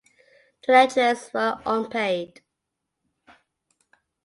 The lectures were unpaid.